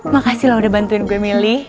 makasih lah udah bantuin gue milih